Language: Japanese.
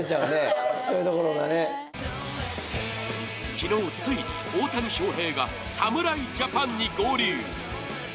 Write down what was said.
昨日、ついに大谷翔平が侍ジャパンに合流。